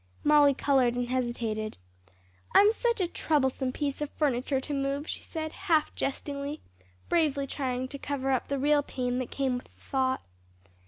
Molly colored and hesitated; "I'm such a troublesome piece of furniture to move," she said half jestingly, bravely trying to cover up the real pain that came with the thought.